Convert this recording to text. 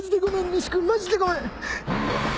西君マジでごめん。